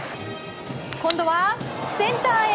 今度はセンターへ。